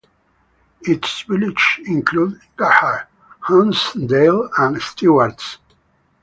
Its villages include Gerhards, Hudsondale, and Stewarts.